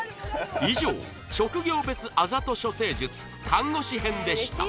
以上職業別あざと処世術看護師編でした